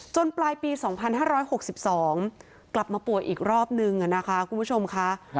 ปลายปี๒๕๖๒กลับมาป่วยอีกรอบนึงนะคะคุณผู้ชมค่ะ